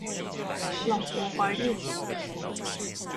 老婆懷孕